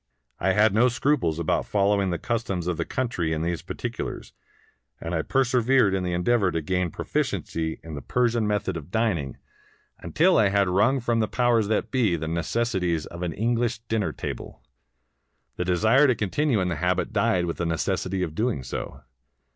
I had no scruples about following the customs of the country in these particulars, and I persevered in the endeavor to gain proficiency in the Persian method of 409 PERSIA dining, until I had wrung from the powers that be the necessaries of an English dinner table. The desire to continue in the habit died with the necessity of doing so!